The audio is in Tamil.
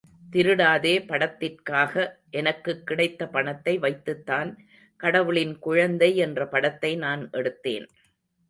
திருடாதே படத்திற்காக எனக்குக் கிடைத்த பணத்தை வைத்துத்தான் கடவுளின் குழந்தை என்ற படத்தை நான் எடுத்தேன்.